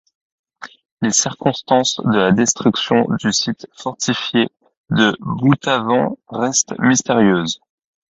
Les circonstances de la destruction du site fortifié de Boutavent restent mystérieuses.